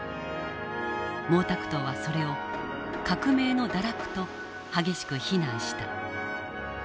毛沢東はそれを革命の堕落と激しく非難した。